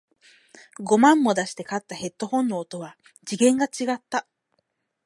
五万も出して買ったヘッドフォンの音は次元が違った